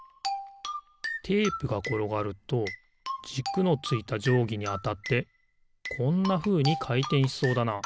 テープがころがるとじくのついたじょうぎにあたってこんなふうにかいてんしそうだな。